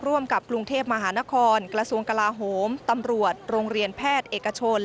ร่วมกับกรุงเทพมหานครกระทรวงกลาโหมตำรวจโรงเรียนแพทย์เอกชน